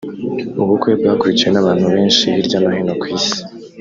ubukwe bwakurikiwe n’abantu benshi hirya no hino ku isi